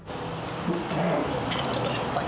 ちょっとしょっぱい。